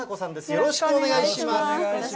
よろしくお願いします。